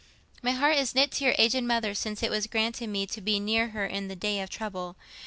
"My heart is knit to your aged mother since it was granted me to be near her in the day of trouble.